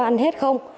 ăn hết không